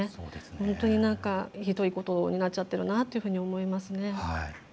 本当にひどいことになっているなと思いますね。